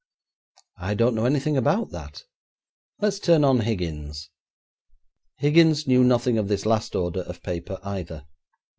'I don't know anything about that. Let's turn on Higgins.' Higgins knew nothing of this last order of paper either.